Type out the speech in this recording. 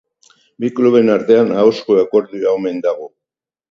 Bi kluben artean ahozko akordioa omen dago.